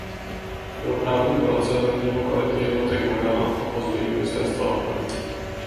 Byl právním poradcem vrchního velení jednotek Hagana a později ministerstva obrany.